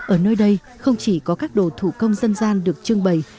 ở nơi đây không chỉ có các đồ thủ công dân gian được trưng bày